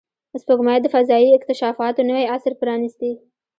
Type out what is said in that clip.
سپوږمۍ د فضایي اکتشافاتو نوی عصر پرانستی